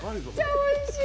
おいしい。